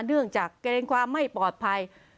เนื่องจากเกรงความไม่ปลอดภัย